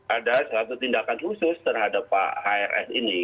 ada satu tindakan khusus terhadap pak hrs ini